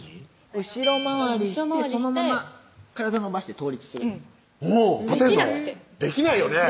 後ろ回りしてそのまま体伸ばして倒立するできなくてできないよね